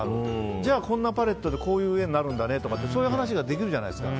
じゃあこんなパレットでこういう絵になるんだねってそういう話ができるじゃないですか。